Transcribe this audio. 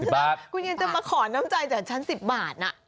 คุณยังจะมาขอน้ำใจจากฉัน๑๐บาท